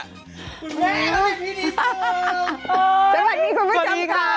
แฟนปี่นิสเซิงโอ๊ยสวัสดีค่ะสวัสดีค่ะ